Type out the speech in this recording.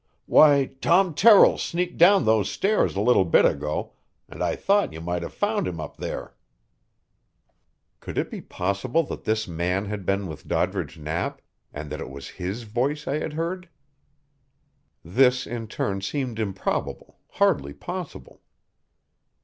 "Why, Tom Terrill sneaked down those stairs a little bit ago, and I thought you might have found him up there." Could it be possible that this man had been with Doddridge Knapp, and that it was his voice I had heard? This in turn seemed improbable, hardly possible.